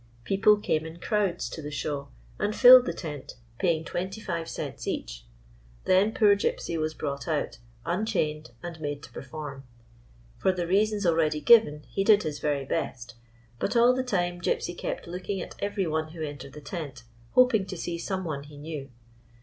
People came in crowds to the show, and filled the tent, paying twenty five cents each. Then poor Gypsy was brought out, unchained and made to perform. For the reasons already given he did his very best; but all the time Gypsy kept looking at every one who entered the tent, hoping to see some one he knew.